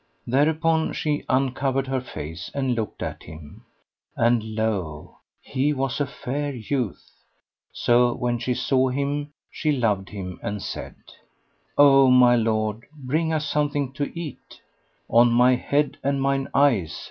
Thereupon she uncovered her face and looked at him, and lo! he was a fair youth; so when she saw him she loved him and said, "O my lord, bring us something to eat." "On my head and mine eyes!"